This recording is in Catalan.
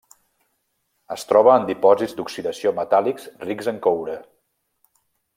Es troba en dipòsits d'oxidació metàl·lics rics en coure.